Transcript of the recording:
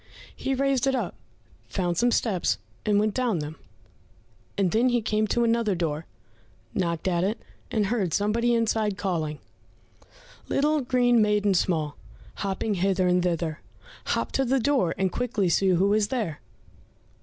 He raised it up, found some steps, and went down them, and then he came to another door, knocked at it, and heard somebody inside calling, "Little green maiden small, Hopping hither and thither; Hop to the door, And quickly see who is there."